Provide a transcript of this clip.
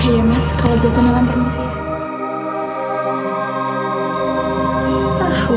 iya mas kalau gue tuh nilainya masih ya